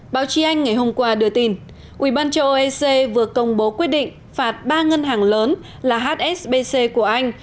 báo chí anh ngày hôm qua đưa tin uban cho oec vừa công bố quyết định phạt ba ngân hàng lớn là hsbc của anh